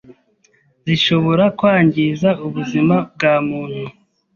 zishobora kwangiza ubuzima bwamuntu